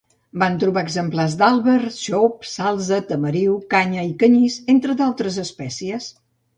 Van trobar exemplars d'àlber, xop, salze, tamariu, canya i canyís, entre d'altres espècies.